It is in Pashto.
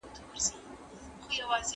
ډاکټر دا خبره تایید کړې ده.